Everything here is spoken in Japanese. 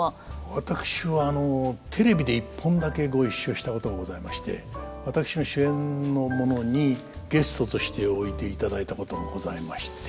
私はテレビで一本だけご一緒したことがございまして私の主演のものにゲストとしておいでいただいたことがございまして。